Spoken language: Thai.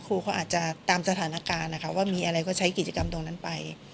ครูเขาอาจจะตามสถานการณ์นะคะว่ามีอะไรก็ใช้กิจกรรมตรงนั้นไป